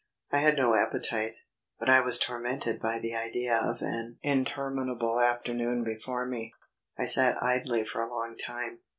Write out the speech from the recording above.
I had no appetite, but I was tormented by the idea of an interminable afternoon before me. I sat idly for a long time.